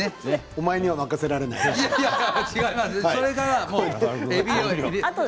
お前には任せられないと。